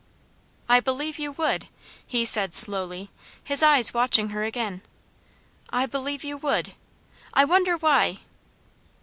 "I believe you would," he said slowly, his eyes watching her again. "I believe you would. I wonder why!"